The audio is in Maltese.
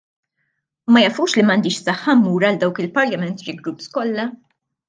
Ma jafux li m'għandix saħħa mmur għal dawk il-parliamentary groups kollha?